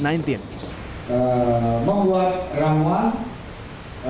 infrastruktur suku yogyakarta macul maj competensi menguji rim dining place